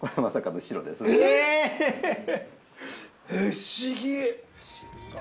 不思議。